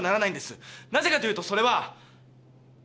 なぜかというとそれは。